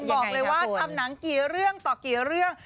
บอกเลยว่าทำหนังกี่เรื่องต่อกี่เรื่อง